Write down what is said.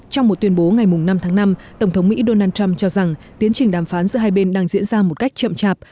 trong một tuyên bố ngày năm tháng năm tổng thống mỹ donald trump cho rằng tiến trình đàm phán giữa hai bên đang diễn ra một cách chậm chạp